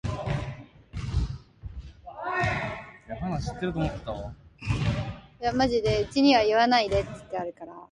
吾輩は投げ出されては這い上り、這い上っては投げ出され、何でも同じ事を四五遍繰り返したのを記憶している